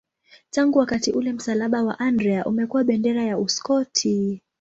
Tangu wakati ule msalaba wa Andrea umekuwa bendera ya Uskoti.